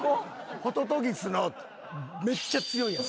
ホトトギスのめっちゃ強いやつ。